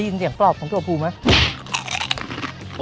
ได้ยินเสียงกรอบของถั่วพูไหม